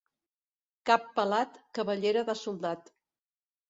Cap pelat, cabellera de soldat.